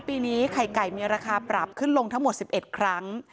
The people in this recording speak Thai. ปีนี้ไข่ไก่มีราคาปรับขึ้นลงทั้งหมด๑๑ครั้ง